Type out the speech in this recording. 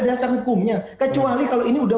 dasar hukumnya kecuali kalau ini udah